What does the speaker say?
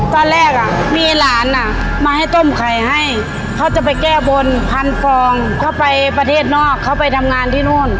ตอนแรกอ่ะมีหลานอ่ะมาให้ต้มไข่ให้เขาจะไปแก้บนพันฟองเขาไปประเทศนอกเขาไปทำงานที่นู่น